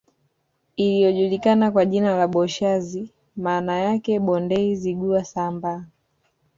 Iliyojulikana kwa jina la Boshazi maana yake Bondei Zigua Sambaa